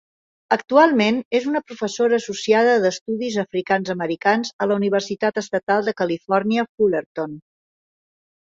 Actualment és una professora associada d'estudis Africans-Americans a la Universitat Estatal de Califòrnia, Fullerton.